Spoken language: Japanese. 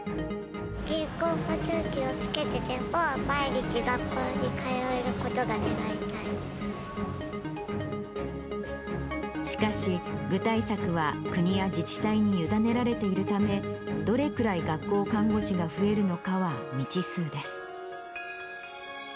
人工呼吸器をつけてても、しかし、具体策は国や自治体に委ねられているため、どれくらい学校看護師が増えるのかは未知数です。